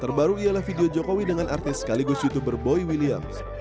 terbaru ialah video jokowi dengan artis sekaligus youtuber boy williams